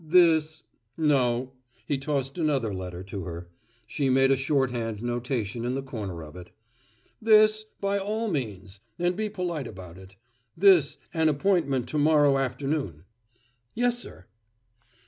"This No." He tossed another letter to her. She made a shorthand notation in the corner of it. "This By all means, and be polite about it. This An appointment to morrow afternoon." "Yes, sir."